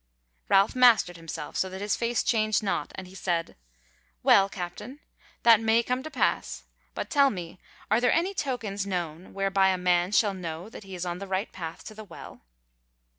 Ralph mastered himself so that his face changed not, and he said: "Well, Captain, that may come to pass; but tell me, are there any tokens known whereby a man shall know that he is on the right path to the Well?"